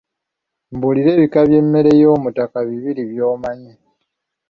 Mbuulira ebika by'emmere y'omuttaka bibiri byomanyi.